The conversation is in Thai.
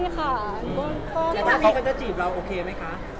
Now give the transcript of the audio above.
แต่ถ้าเขาก็จะจีบเราโอเคไหมคะ